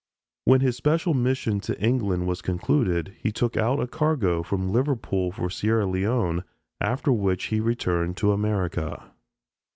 When his special mission to England was concluded, he took out a cargo from Liverpool for Sierra Leone, after which he returned to America.